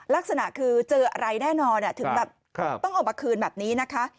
ลักษณะคือเจออะไรแน่นอนถึงแบบต้องเอามาคืนแบบนี้นะคะ